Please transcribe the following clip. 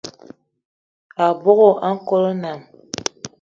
Abogo a nkòt nnam